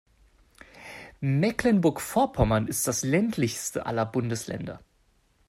Mecklenburg-Vorpommern ist das ländlichste aller Bundesländer.